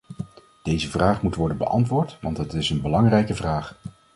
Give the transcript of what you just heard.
Deze vraag moet worden beantwoord, want het is een belangrijke vraag.